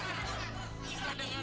dia tuh cewek agak bener